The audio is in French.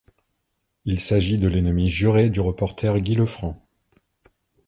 Il s'agit de l'ennemi juré du reporter Guy Lefranc.